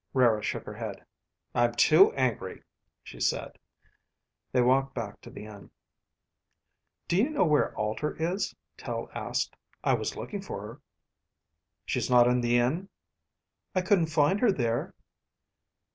Rara shook her head. "I'm too angry," she said. They walked back to the inn. "Do you know where Alter is?" Tel asked. "I was looking for her." "She's not in the inn?" "I couldn't find her there."